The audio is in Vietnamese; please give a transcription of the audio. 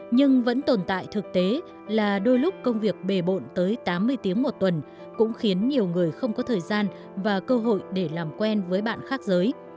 nhưng vẫn tồn tại thực tế là đôi lúc công việc bề bộn tới tám mươi tiếng một tuần cũng khiến nhiều người không có thời gian và cơ hội để làm quen với bạn khác giới